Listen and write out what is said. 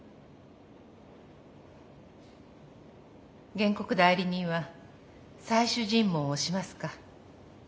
原告代理人は最終尋問をしますか？